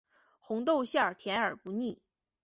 红豆馅甜而不腻